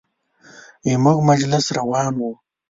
زموږ مجلس روان و.